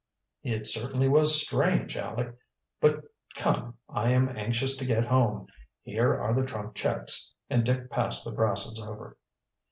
"It certainly was strange, Aleck. But, come, I am anxious to get home. Here are the trunk checks," and Dick passed the brasses over.